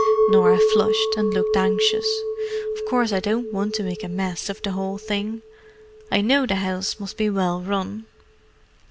Norah flushed, and looked anxious. "Of course I don't want to make a mess of the whole thing. I know the house must be well run."